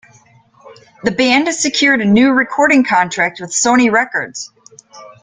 The band secured a new recording contract with Sony Records.